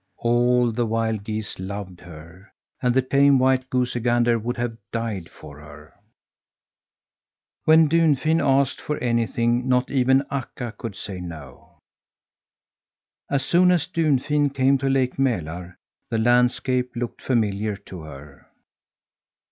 All the wild geese loved her, and the tame white goosey gander would have died for her. When Dunfin asked for anything not even Akka could say no. As soon as Dunfin came to Lake Mälar the landscape looked familiar to her.